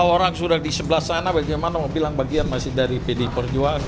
orang sudah di sebelah sana bagaimana mau bilang bagian masih dari pd perjuangan